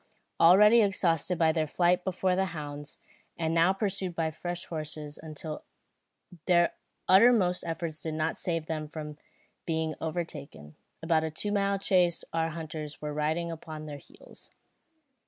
Already exhausted by their flight before the hounds, and now pursued by fresh horses, their utmost efforts did not save them from being overtaken; after a two mile chase our hunters were riding upon their heels.